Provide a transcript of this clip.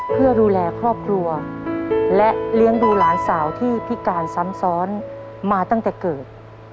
เพื่อดูแลครอบครัวและเลี้ยงดูหลานสาวที่พิการซ้ำซ้อนมาตั้งแต่เกิด